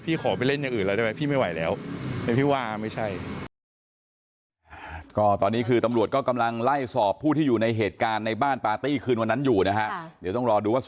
พี่ขอไปเล่นอย่างอื่นแล้วได้มั้ยพี่ไม่ไหวแล้ว